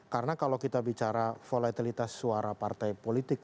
karena kalau kita bicara volatilitas suara partai politik